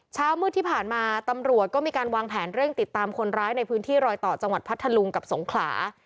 เช้ามืดที่ผ่านมาตำรวจก็มีการวางแผนเร่งติดตามคนร้ายในพื้นที่รอยต่อจังหวัดพัทธลุงกับสงขลา